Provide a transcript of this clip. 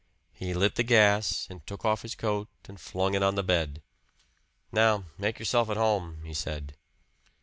He lit the gas, and took off his coat and flung it on the bed. "Now, make yourself at home," he said.